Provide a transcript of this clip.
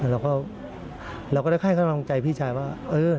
แล้วก็ได้แค่กำลังใจพี่ชายว่า